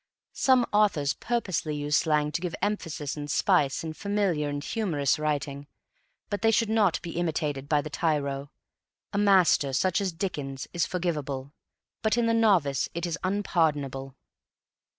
Some authors purposely use slang to give emphasis and spice in familiar and humorous writing, but they should not be imitated by the tyro. A master, such as Dickens, is forgivable, but in the novice it is unpardonable.